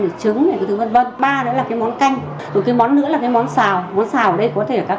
thịt này thứ vân vân ba nữa là cái món canh rồi cái món nữa là cái món xào muốn xào đây có thể các